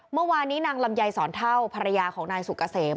เมื่อวานนี้นางลำไยสอนเท่าภรรยาของนายสุกเกษม